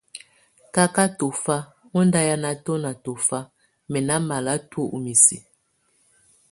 Kaka tɔfa ɔ nda hiana tɔna tɔfa mɛ na mala tuə ɔ misi.